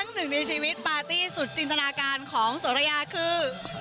หนึ่งในชีวิตปาร์ตี้สุดจินตนาการของโสระยาคือ